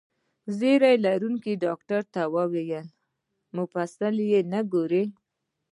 ږیره لرونکي ډاکټر وپوښتل: مفصل یې نه ګورو؟